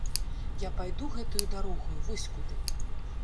Я пайду гэтаю дарогаю, вось куды!